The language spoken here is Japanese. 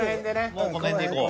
もうこの辺でいこう。